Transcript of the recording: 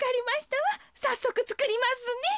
さっそくつくりますね。